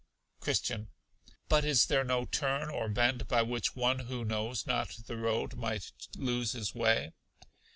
Christian. But is there no turn or bend by which one who knows not the road might lose his way?